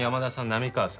波川さん